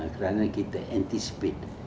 karena kita menganticipasi